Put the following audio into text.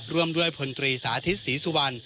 ร่วมด้วยพลตรีสาธิตศรีสุวรรณ